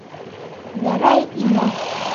Гәрәй инә.